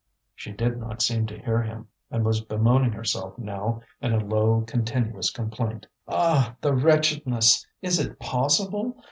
She did not seem to hear him, and was bemoaning herself now in a low continuous complaint. "Ah! the wretchedness! is it possible?